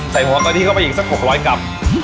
ใส่หัวกะทิเข้าไปอีกสัก๖๐๐กรัม